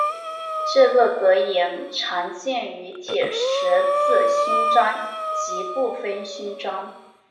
这个格言常见于铁十字勋章及部分勋章。